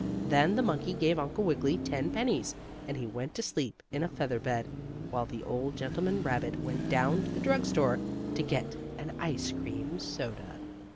Then the monkey gave Uncle Wiggily ten pennies, and he went to sleep in a feather bed, while the old gentleman rabbit went down to the drug store to get an ice cream soda.